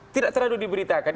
tidak terlalu diberitakan